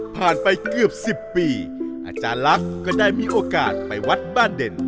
ไปเกือบ๑๐ปีอาจารย์ลักษณ์ก็ได้มีโอกาสไปวัดบ้านเด่น